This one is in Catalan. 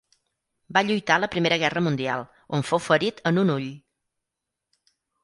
Va lluitar a la Primera Guerra Mundial, on fou ferit en un ull.